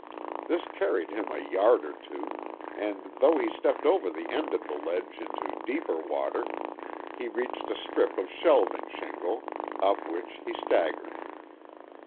This carried him a yard or two, and though he stepped over the end of the ledge into deeper water, he reached a strip of shelving shingle, up which he staggered.